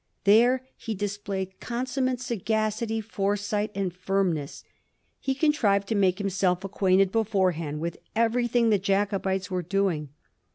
There he displayed consummate saga city, foresight, and firmness. He contrived to make himself acquainted beforehand with everything the Jacobites were doing.